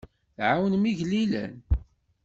Tɛawnem igellilen.